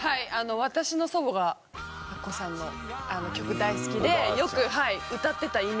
私の祖母がアッコさんの曲大好きでよく歌ってたイメージ。